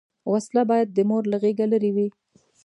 وسله باید د مور له غېږه لرې وي